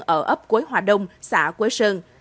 ở ấp quế hòa đông xã quế sơn